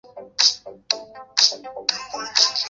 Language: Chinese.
区人民政府驻八里店镇。